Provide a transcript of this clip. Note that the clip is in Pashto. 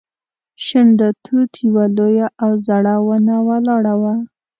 شنډه توت یوه لویه او زړه ونه ولاړه وه.